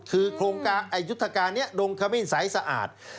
คือโครงการยุทธการนี้ดงขมิ้นสายสะอาด